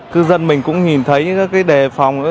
cư dân mình cũng nhìn thấy các cái đề phòng